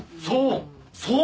そう！